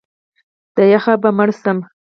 د یخه به مړ شم!